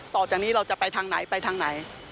ต่อจากนี้เราจะไปทางไหนไปทางไหน